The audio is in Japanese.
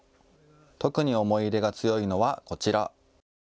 特に思い入れが強いのは、こちら。